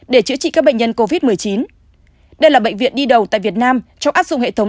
để chữa trị các bệnh nhân covid một mươi chín đây là bệnh viện đi đầu tại việt nam trong áp dụng hệ thống